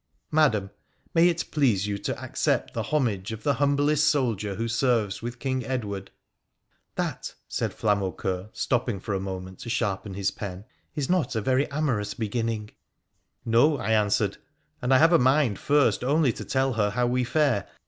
Madam, — May it please you to accept the homage of the humblest soldier who serves with King Edward ? 'That,' said Flamaucoeur, stopping for a moment to sharpen his pen, 'is not a very amorous beginning.' ' No,' I answered, ' and I have a mind first only to tell her how we fare.